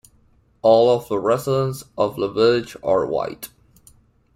All of the residents of the village are White.